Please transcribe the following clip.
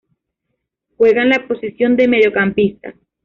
Juega en la posición de mediocampista.